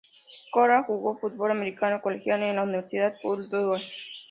Pollard jugó fútbol americano colegial en la Universidad Purdue.